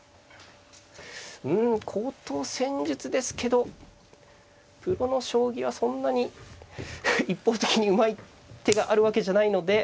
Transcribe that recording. うん高等戦術ですけどプロの将棋はそんなに一方的にうまい手があるわけじゃないので。